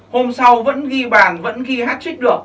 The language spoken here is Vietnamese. hôm sau vẫn ghi bàn vẫn ghi hat trick được